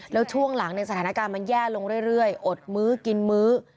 แล้วช่วงหลังในสถานการณ์มันแย่ลงเรื่อยอดมื้อกินมื้อ